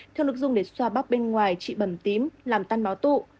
theo lực dung để xoa bắp bên ngoài trị bẩm tím làm tan máu tụ